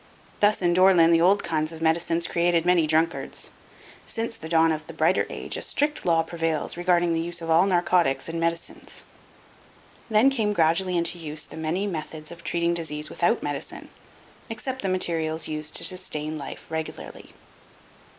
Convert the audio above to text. Thus in Dore lyn the old kinds of medicines created many drunkards. Since the dawn of the brighter age, a strict law prevails regarding the use of all narcotics in medicines. Then came gradually into use the many methods of treating disease without medicine, except the materials used to sustain life regularly.